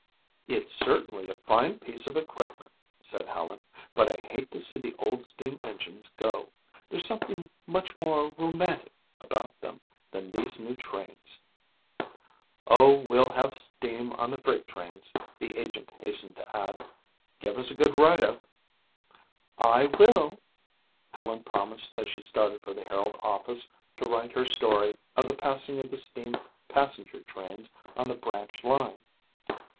"It's certainly a fine piece of equipment," said Helen, "but I hate to see the old steam engines go. There's something much more romantic about them than these new trains." "Oh, we'll have steam on the freight trains," the agent hastened to add. "Give us a good write up." "I will," Helen promised as she started for the Herald office to write her story of the passing of the steam passenger trains on the branch line.